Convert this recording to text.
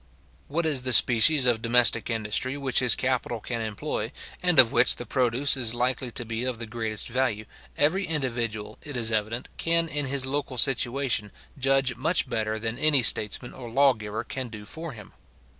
What is the species of domestic industry which his capital can employ, and of which the produce is likely to be of the greatest value, every individual, it is evident, can in his local situation judge much better than any statesman or lawgiver can do for him.